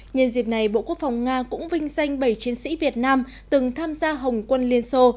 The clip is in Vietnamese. nhân dịp này bộ quốc phòng nga cũng vinh danh bảy chiến sĩ việt nam từng tham gia hồng quân liên xô